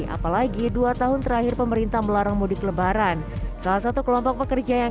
apalagi dua tahun terakhir pemerintah melarang mudik lebaran salah satu kelompok pekerja yang